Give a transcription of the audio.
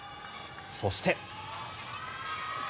そして。